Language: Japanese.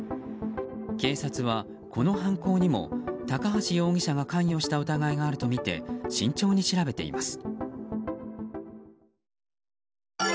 警察はこの犯行にも高橋容疑者が関与した疑いがあるとみて慎重に調べています。